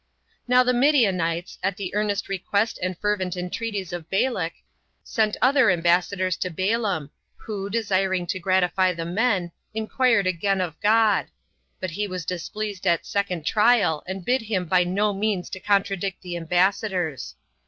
3. Now the Midianites, at the earnest request and fervent entreaties of Balak, sent other ambassadors to Balaam, who, desiring to gratify the men, inquired again of God; but he was displeased at [second] trial 8 and bid him by no means to contradict the ambassadors.